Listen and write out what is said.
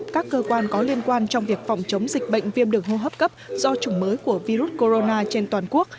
các cơ quan có liên quan trong việc phòng chống dịch bệnh viêm đường hô hấp cấp do chủng mới của virus corona trên toàn quốc